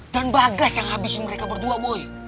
dan bagas yang habisin mereka berdua boy